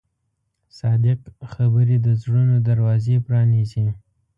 صادق خبرې د زړونو دروازې پرانیزي.